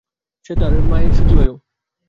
সে তার মায়ের শুচিবায়ু।